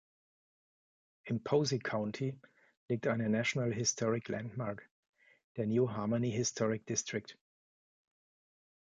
Im Posey County liegt eine National Historic Landmark, der New Harmony Historic District.